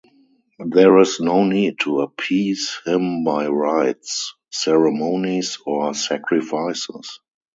There is no need to appease him by rites, ceremonies, or sacrifices.